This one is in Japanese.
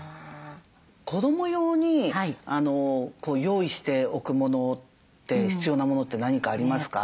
子ども用に用意しておくものって必要なものって何かありますか？